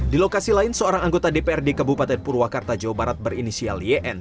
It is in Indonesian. di lokasi lain seorang anggota dprd kabupaten purwakarta jawa barat berinisial yn